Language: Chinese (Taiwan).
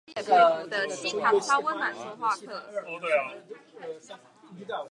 連卡內基也佩服的七堂超溫暖說話課